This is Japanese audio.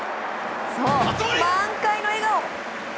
そう、満開の笑顔！